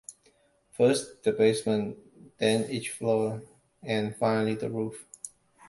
First the basement, then each floor, and finally the roof.